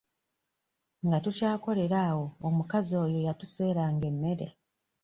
Nga tukyakolera awo omukazi oyo yatuseeranga emmere.